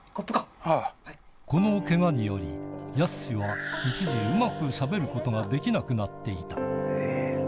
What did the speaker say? このけがにより、やすしは一時、うまくしゃべることができなくなっていた。